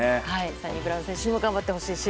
サニブラウン選手にも頑張ってほしいし。